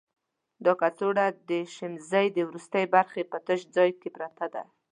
دا کڅوړه د شمزۍ د وروستي برخې په تش ځای کې پرته ده.